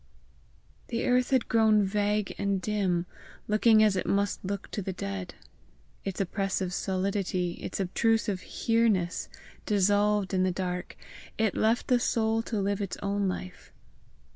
The earth had grown vague and dim, looking as it must look to the dead. Its oppressive solidity, its obtrusive HERENESS, dissolved in the dark, it left the soul to live its own life.